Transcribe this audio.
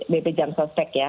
bp jam sosek ya